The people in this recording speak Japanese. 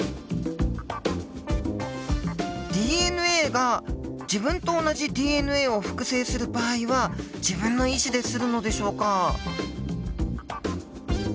ＤＮＡが自分と同じＤＮＡを複製する場合は自分の意思でするのでしょうか？